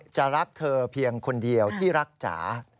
จะรักเธอเพียงคนเดียวที่รักจ๋า